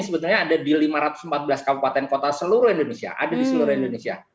sebetulnya ada di lima ratus empat belas kabupaten kota seluruh indonesia